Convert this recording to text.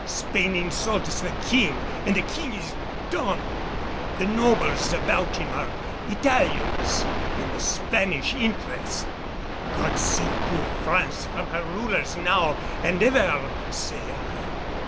Spain insults the King and the King is dumb. The nobles about him are Italians in the Spanish interest. God save poor France from her rulers now and ever, say I."